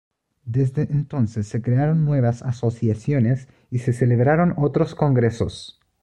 Desde entonces, se crearon nuevas asociaciones y se celebraron otros Congresos.